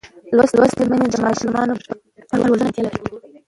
لوستې میندې د ماشوم پر روزنه ژمنتیا لري.